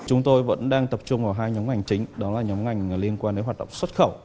chúng tôi vẫn đang tập trung vào hai nhóm ngành chính đó là nhóm ngành liên quan đến hoạt động xuất khẩu